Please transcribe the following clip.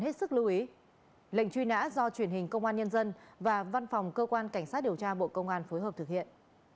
hãy đăng ký kênh để nhận thông tin nhất